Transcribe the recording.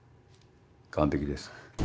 完璧です。